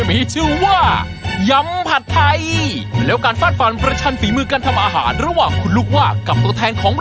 ไม่รู้แต่ว่าอยากกินต้องคำตอน